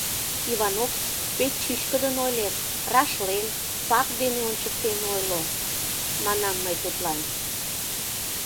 — Иванов, пеш чӱчкыдын ойлет, рашлен, факт дене ончыктен ойло, — манам мый тудлан.